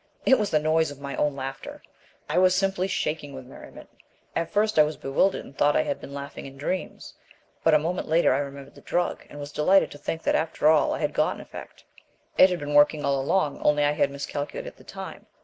It was the noise of my own laughter! I was simply shaking with merriment. At first I was bewildered and thought I had been laughing in dreams, but a moment later I remembered the drug, and was delighted to think that after all I had got an effect. It had been working all along, only I had miscalculated the time.